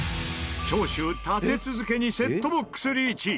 長州立て続けにセットボックスリーチ！